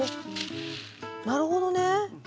なるほどね。